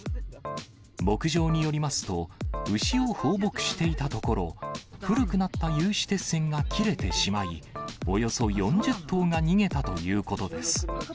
牧場によりますと、牛を放牧していたところ、古くなった有刺鉄線が切れてしまい、およそ４０頭が逃げたということです。